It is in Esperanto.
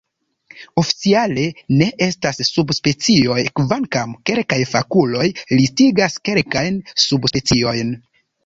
Oficiale, ne estas subspecioj, kvankam kelkaj fakuloj listigas kelkajn subspeciojn.